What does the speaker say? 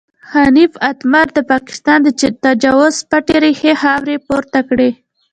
حنیف اتمر د پاکستان د تجاوز پټې ریښې خاورې پورته کړې.